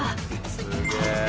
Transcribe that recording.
すげえ！